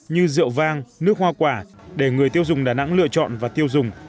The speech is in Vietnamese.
như rượu vang nước hoa quả để người tiêu dùng đà nẵng lựa chọn và tiêu dùng